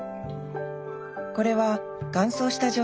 これは乾燥した状態です。